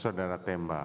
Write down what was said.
ya saudara tembak